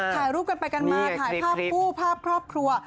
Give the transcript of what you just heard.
ถ่ายรูปกันไปกันมาถ่ายภาพคู่ภาพครอบครัว